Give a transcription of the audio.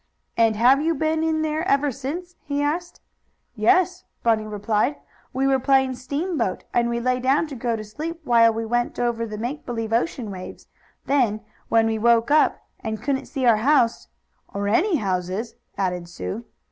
"And have you been in there ever since?" he asked. "Yes," Bunny replied. "We were playing steamboat, and we lay down to go to sleep while we went over the make believe ocean waves. Then, when we woke up, and couldn't see our house " "Or any houses," added Sue.